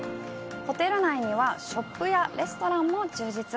ホテル内にはショップやレストランも充実。